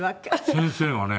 先生がね